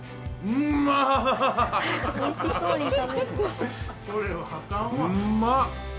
うんまっ！